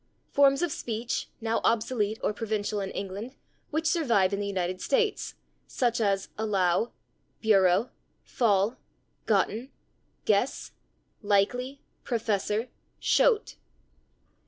Forms of speech now obsolete or provincial in England, which survive in the United States, such as /allow/, /bureau/, /fall/, /gotten/, /guess/, /likely/, /professor/, /shoat